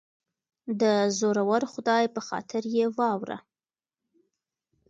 دزورور خدای په خاطر یه واوره